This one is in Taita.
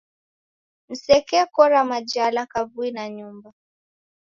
Msekekora majala kavui na nyumba